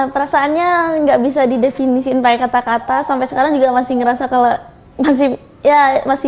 perasaannya nggak bisa didefinisiin kayak kata kata sampai sekarang juga masih ngerasa kalau masih ya masih